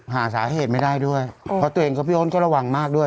หาสาเหตุไม่ได้ด้วยเพราะตัวเองกับพี่โอนก็ระวังมากด้วย